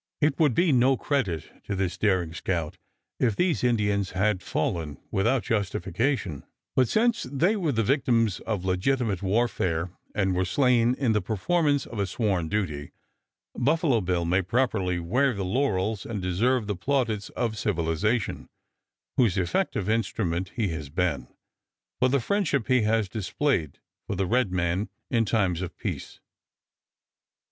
It would be no credit to this daring scout if these Indians had fallen without justification; but since they were the victims of legitimate warfare and were slain in the performance of a sworn duty, Buffalo Bill may properly wear the laurels and deserve the plaudits of civilization whose effective instrument he has been for the friendship he has displayed for the red man in times of peace.